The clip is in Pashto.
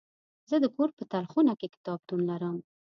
زه د کور په تلخونه کې کتابتون لرم.